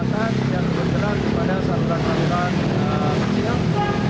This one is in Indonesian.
tapi untuk saluran saluran besar dan yang primer